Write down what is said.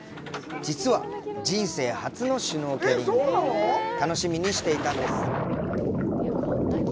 実は人生初のシュノーケリング楽しみにしていたんです。